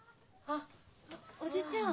あっ叔父ちゃん。